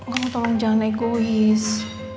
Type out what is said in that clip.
kamu tolong jangan egois